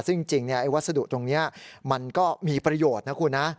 ซึ่งจริงวัสดุตรงนี้มันก็มีประโยชน์นะคุณนะ